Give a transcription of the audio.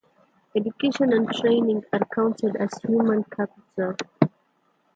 Education and training are counted as "human capital".